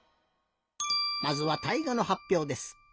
まずは大河のはっぴょうです。